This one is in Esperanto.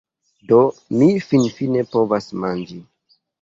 Do, ni finfine povas manĝi